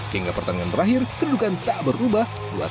hingga pertandingan terakhir kedudukan tak berubah